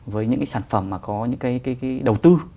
với những cái sản phẩm mà có những cái đầu tư